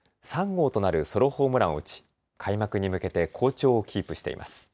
３号となるソロホームランを打ち開幕に向けて好調をキープしています。